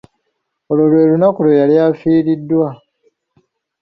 Olwo lwe lunaku lwe yali afiiridwa.